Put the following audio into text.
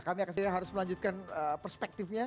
kami harus melanjutkan perspektifnya